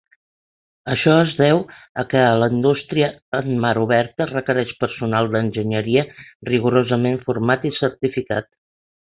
Això es deu a que la indústria en mar oberta requereix personal d'enginyeria rigorosament format i certificat.